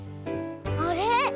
あれ？